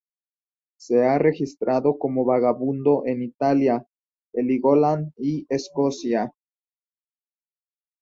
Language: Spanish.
Se ha registrado como vagabundo en Italia, Heligoland y Escocia.